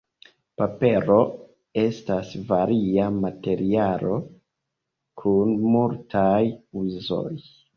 Papero estas varia materialo kun multaj uzoj.